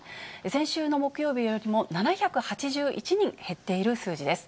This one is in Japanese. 先週の木曜日よりも７８１人減っている数字です。